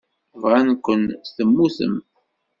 Bɣan-ken temmutem.